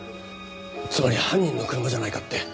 つまり犯人の車じゃないかって。